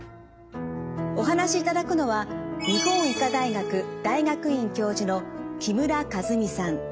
お話しいただくのは日本医科大学大学院教授の木村和美さん。